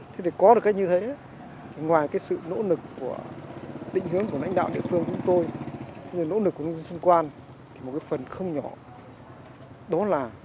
thế thì có được cái như thế ngoài sự nỗ lực của định hướng của lãnh đạo địa phương chúng tôi nỗ lực của nông dân xung quanh một phần không nhỏ